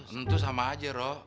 tentu sama aja rob